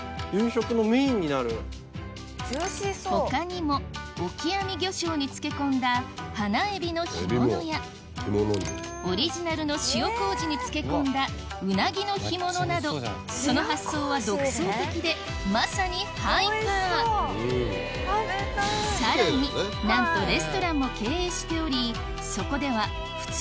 他にもオキアミ魚醤に漬け込んだ花エビの干物やオリジナルの塩麹に漬け込んだうなぎの干物などその発想は独創的でまさにハイパーさらになんとうわ！